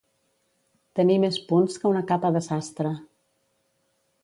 Tenir més punts que una capa de sastre.